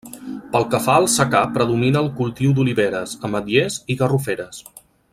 Pel que fa al secà predomina el cultiu d'oliveres, ametllers i garroferes.